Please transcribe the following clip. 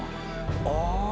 akibat aku berteriak minta tolong